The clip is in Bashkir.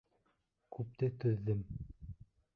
Күпте түҙҙем.